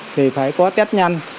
thì phải có test nhanh